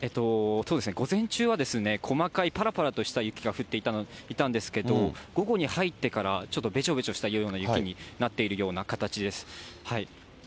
そうですね、午前中は細かいぱらぱらとした雪が降っていたんですけど、午後に入ってから、ちょっとべちょべちょしたような雪になっているような形です。